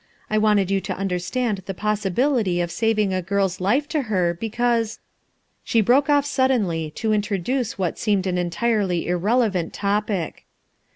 I wanted you to under stand the possibility of saving a girl's life to her, because — M She broke off suddenly to introduce what seemed an entirely irrelevant topic.